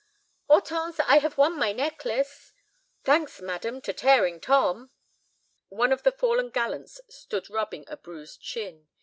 "Hortense, I have won my necklace." "Thanks, madam, to Tearing Tom." One of the fallen gallants stood rubbing a bruised shin.